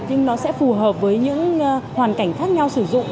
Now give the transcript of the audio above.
nhưng nó sẽ phù hợp với những hoàn cảnh khác nhau sử dụng